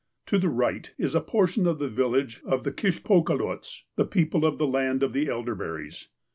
To the right is a portion of the village of the Kishpokaloats (the people of the land of the elderberries).